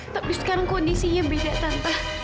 tapi sekarang kondisinya beda tanpa